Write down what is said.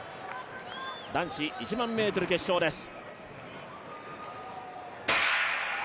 男子１００００ｍ決勝です。